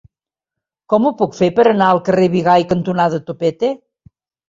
Com ho puc fer per anar al carrer Bigai cantonada Topete?